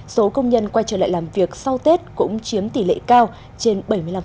số công nhân quay trở lại làm việc sau tết cũng chiếm tỷ lệ cao trên bảy mươi năm